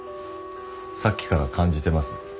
さっきから感じてます